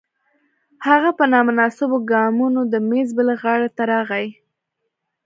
هغه په نامناسبو ګامونو د میز بلې غاړې ته راغی